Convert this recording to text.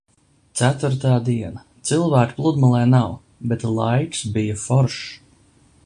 Ceturtā diena. Cilvēku pludmalē nav, bet laiks bija foršs.